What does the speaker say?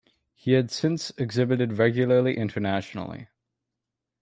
He has since exhibited regularly internationally.